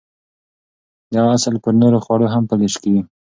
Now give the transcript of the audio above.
دا اصل پر نورو خوړو هم پلي کېږي.